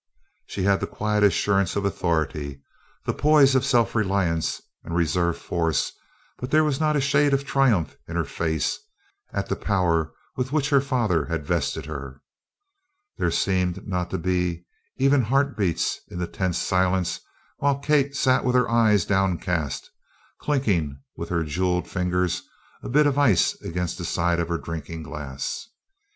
She had the quiet assurance of authority, the poise of self reliance and reserve force, but there was not a shade of triumph in her face, at the power with which her father had vested her. There seemed not to be even heart beats in the tense silence while Kate sat with her eyes downcast, clinking, with her jewelled fingers, a bit of ice against the sides of her drinking glass.